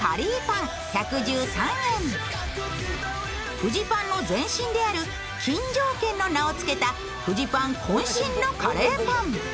フジパンの前身である、金城軒の名をつけたフジパンこん身のカレーパン。